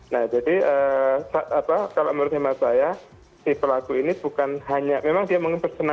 nah jadi kalau menurut hemat saya si pelaku ini bukan hanya memang dia